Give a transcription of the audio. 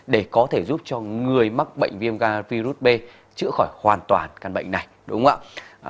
để có thể giúp cho người mắc bệnh viêm ga virus b chữa khỏi hoàn toàn căn bệnh này đúng không ạ